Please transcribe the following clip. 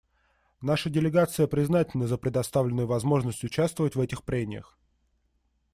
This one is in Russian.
Наша делегация признательна за предоставленную возможность участвовать в этих прениях.